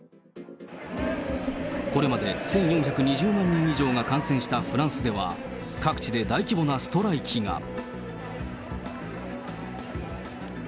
これまで１４２０万人以上が感染したフランスでは、各地で大規模なストライキが。